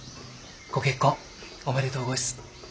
ご結婚おめでとうごいす。